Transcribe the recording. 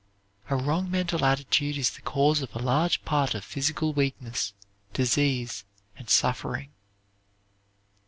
A wrong mental attitude is the cause of a large part of physical weakness, disease, and suffering.